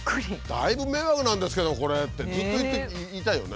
だいぶ迷惑なんですけどこれって言いたいよね。